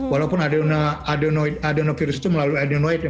walaupun adenovirus itu melalui adenoid